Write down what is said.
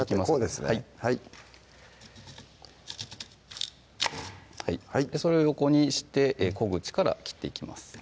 はいそれを横にして小口から切っていきます